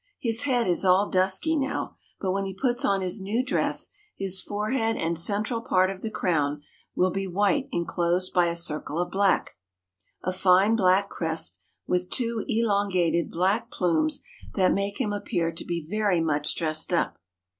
His head is all dusky now, but when he puts on his new dress his forehead and central part of the crown will be white enclosed by a circle of black a fine black crest with two elongated black plumes that make him appear to be very much dressed up.